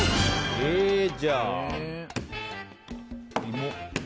じゃあ、芋。